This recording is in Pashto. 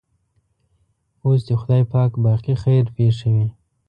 اوس دې خدای پاک باقي خیر پېښوي.